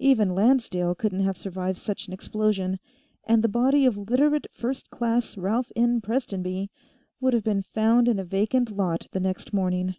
Even Lancedale couldn't have survived such an explosion, and the body of Literate First Class Ralph N. Prestonby would have been found in a vacant lot the next morning.